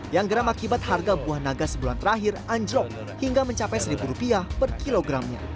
yang geram akibat harga buah naga sebulan terakhir anjlok hingga mencapai rp satu per kilogramnya